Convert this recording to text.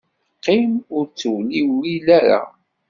Qqim ur ttewliwil ara.